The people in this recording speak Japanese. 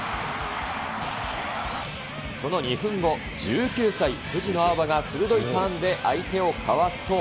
その２分後、１９歳、藤野あおばが、鋭いターンで相手をかわすと。